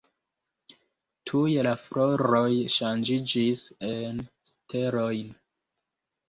Tuj la floroj ŝanĝiĝis en stelojn.